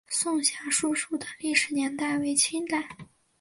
颂遐书室的历史年代为清代。